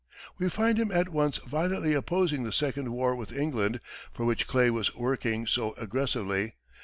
We find him at once violently opposing the second war with England, for which Clay was working so aggressively.